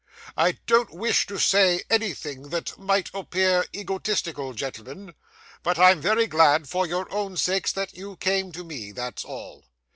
I don't wish to say anything that might appear egotistical, gentlemen, but I'm very glad, for your own sakes, that you came to me; that's all.